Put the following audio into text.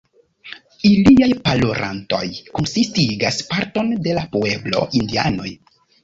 Iliaj parolantoj konsistigas parton de la pueblo-indianoj.